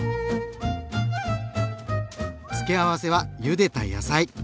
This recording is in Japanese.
付け合わせはゆでた野菜。